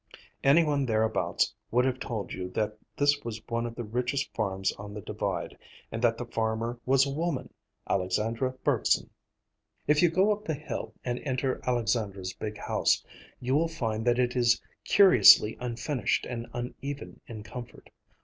Any one thereabouts would have told you that this was one of the richest farms on the Divide, and that the farmer was a woman, Alexandra Bergson. If you go up the hill and enter Alexandra's big house, you will find that it is curiously unfinished and uneven in comfort.